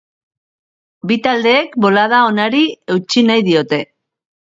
Bi taldeek bolada onari eutsi nahi diote.